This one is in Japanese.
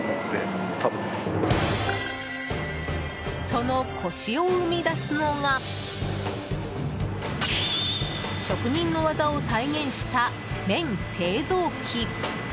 そのコシを生み出すのが職人の技を再現した麺製造機。